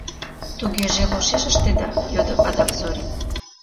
— Тугеже лошеш ыштеда? — йодо адак Зорин.